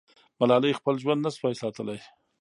ملالۍ خپل ژوند نه سوای ساتلی.